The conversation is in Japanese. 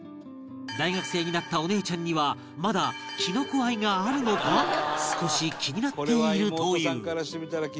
大学生になったお姉ちゃんにはまだきのこ愛があるのか少し気になっているという